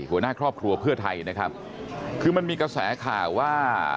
หัวหน้าครอบครัวเพื่อไทยนะครับคือมันมีกระแสข่าวว่า